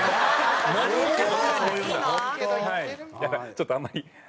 ちょっとあんまり。